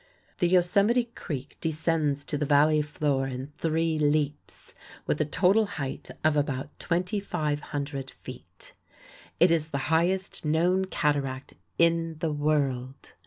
The Yosemite Creek descends to the valley floor in three leaps, with a total height of about 2,500 feet. It is the highest known cataract in the world.